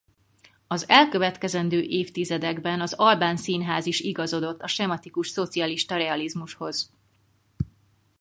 Az elkövetkező évtizedekben az albán színház is igazodott a sematikus szocialista realizmushoz.